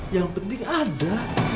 yang penting ada